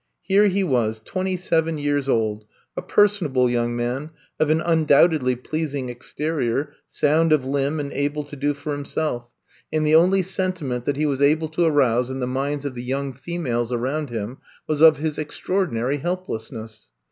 Here he was twenty seven years old, a personable young man, of an un doubtedly pleasing exterior, sound of limb and able to do for himself, and the only I'VE COMB TO STAY 79 sentiment that he was able to arouse in the minds of the young females around him was of his extraordinary helplessness.